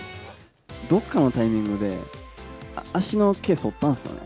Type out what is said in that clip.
どこかのタイミングで、足の毛、そったんすよね。